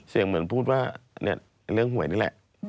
เสียงเหมือนพูดว่าเรื่องหวยนี่แหละ